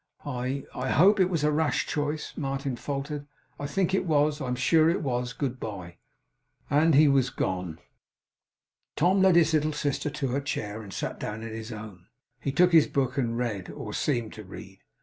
I I hope it was a rash choice,' Martin faltered. 'I think it was. I am sure it was! Good bye!' And he was gone. Tom led his little sister to her chair, and sat down in his own. He took his book, and read, or seemed to read.